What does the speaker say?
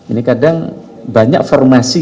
ini kadang banyak formasi